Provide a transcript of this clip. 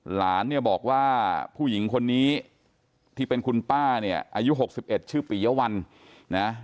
หลานบอกว่าผู้หญิงคนนี้ที่เป็นคุณป้าอายุ๖๑ชื่อปีเยาวัน